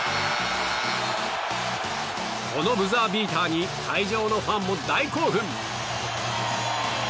このブザービーターに会場のファンも大興奮。